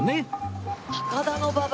高田馬場。